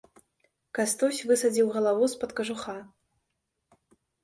Кастусь высадзіў галаву з-пад кажуха.